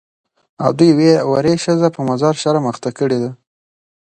او دې ويرې ښځه په مضر شرم اخته کړې ده.